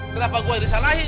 kenapa gua yang disalahin